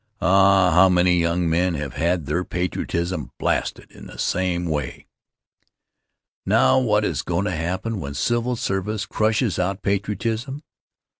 Ah, how many young men have had their patriotism blasted in the same way! Now, what is goin' to happen when civil service crushes out patriotism?